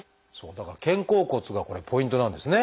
だから肩甲骨がこれポイントなんですね。